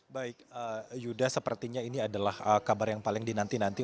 baik yuda sepertinya ini adalah kabar yang paling dinanti nanti